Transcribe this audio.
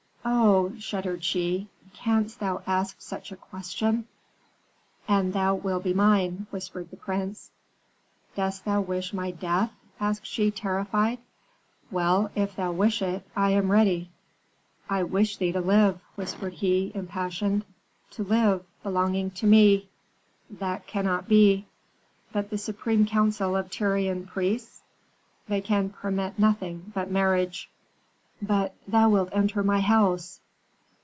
"Oh," shuddered she, "canst thou ask such a question?" "And thou wilt be mine," whispered the prince. "Dost thou wish my death?" asked she, terrified. "Well, if thou wish it, I am ready." "I wish thee to live," whispered he, impassioned, "to live, belonging to me." "That cannot be." "But the supreme council of Tyrian priests?" "They can permit nothing but marriage." "But thou wilt enter my house."